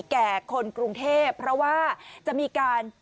แก่คนกรุงเทพเพราะว่าจะมีการ